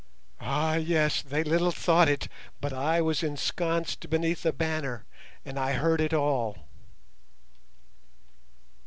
Ah yes! they little thought it, but I was ensconced beneath a banner, and I heard it all."